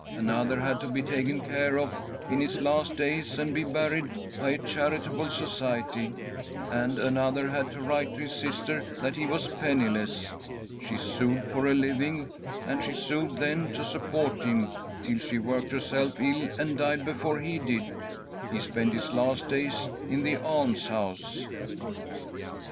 Another had to be taken care of in his last days and be buried by a charitable society, and another had to write to his sister that he was penniless. She sewed for a living, and she sewed then to support him, till she worked herself ill and died before he did. He spent his last days in the almshouse."